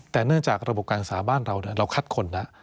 แต่เนื่องจากระบบการศึกษาบ้านเราเราคัดคนแล้ว